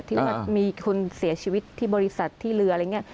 ที่ว่ามีคนเสียชีวิตที่บริษัทที่เรืออะไรอย่างนี้